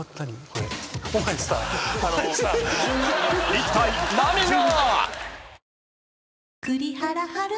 ［いったい何が？］